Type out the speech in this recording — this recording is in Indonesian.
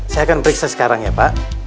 saya akan periksa sekarang ya pak